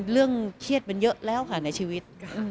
เรื่องเครียดมันเยอะแล้วค่ะในชีวิต